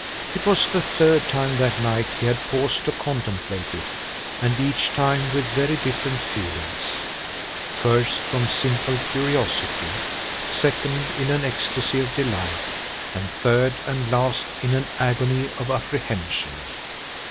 It was the third time that night he had paused to contemplate it, and each time with very different feelings; first, from simple curiosity; second, in an ecstasy of delight, and third and last, in an agony of apprehension.